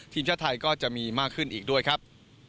ทีมชาติไทยก็จะมีมากขึ้นอีกด้วยครับ